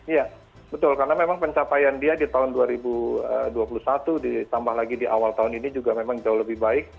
ya betul karena memang pencapaian dia di tahun dua ribu dua puluh satu ditambah lagi di awal tahun ini juga memang jauh lebih baik